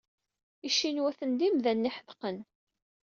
Icinwaten d imdanen ay iḥeqden.